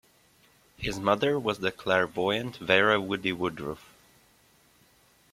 His mother was the clairvoyant Vera "Woody" Woodruff.